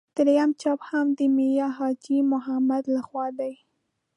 درېیم چاپ هم د میا حاجي محمد له خوا دی.